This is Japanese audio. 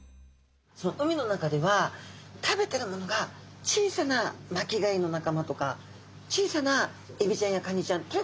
海の中では食べてるものが小さな巻き貝の仲間とか小さなエビちゃんやカニちゃん